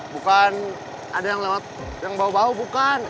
bukan ada yang bau bau bukan